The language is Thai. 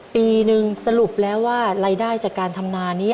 ปีนึงสรุปแล้วว่ารายได้จากการทำนานี้